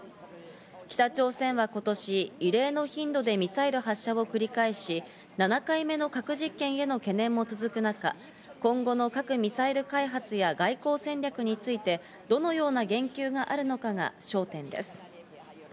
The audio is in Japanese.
北朝鮮は今年、異例の頻度でミサイル発射を繰り返し、７回目の核実験への懸念も続く中、今後の核・ミサイル開発や外交戦略についてどのような言及があるのかが焦点です。